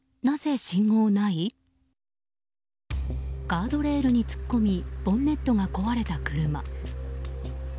ガードレールに突っ込みボンネットが壊れた車。